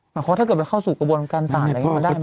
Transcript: หมายความว่าถ้าเกิดเข้าสู่กระบวนการศาลอะไรอย่างนี้